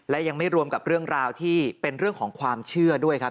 และยังไม่รวมกับเรื่องราวที่เป็นเรื่องของความเชื่อด้วยครับ